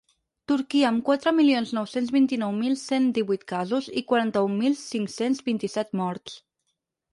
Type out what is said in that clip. Turquia, amb quatre milions nou-cents vint-i-nou mil cent divuit casos i quaranta-un mil cinc-cents vint-i-set morts.